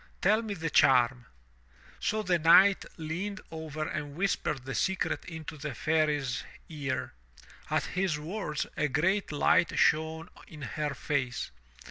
Tell me the charm." So the Knight leaned over and whispered the secret into the Fairy's ear. At his words a great light shone in her face.